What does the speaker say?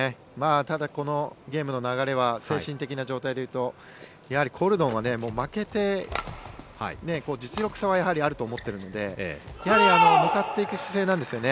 ただ、このゲームの流れは精神的な状態でいうとやはりコルドンは負けて、実力差はやはりあると思っているのでやはり向かっていく姿勢なんですよね。